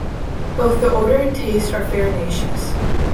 Both the odor and taste are farinaceous.